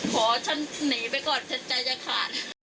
ขอฉันหนีไปก่อนฉันใจจะขาด